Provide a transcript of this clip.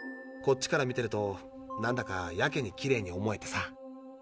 こっちから見てるとなんだかやけにきれいに思えてさ。